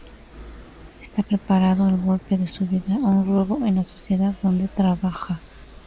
Está preparando el golpe de su vida: un robo en la sociedad donde trabaja.